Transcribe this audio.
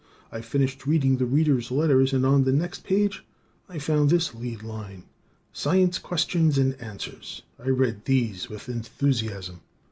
I finished reading the Readers' letters and on the next page I found this leadline: "Science Questions and Answers." I read these with enthusiasm.